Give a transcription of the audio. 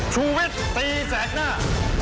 ชูเว็ตตีแสดหน้า